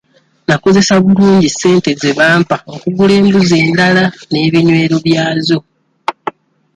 Nakozesa bulungi ssente ze bampa okugula embuzi endala n'ebinywero byazo.